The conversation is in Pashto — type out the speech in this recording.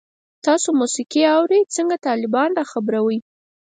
تاسو موسیقی اورئ؟ څنګه، طالبان را خبروئ